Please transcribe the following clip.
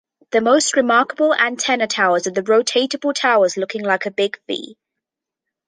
The most remarkable antenna towers are the rotatable towers looking like a big "V".